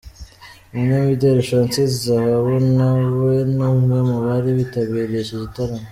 Umunyamideli Francis Zahabu na we ni umwe mu bari bitabiriye iki gitaramo.